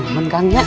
ah tudoy mangannya